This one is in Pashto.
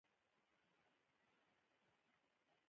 غني د سیاست په کوڅو کې.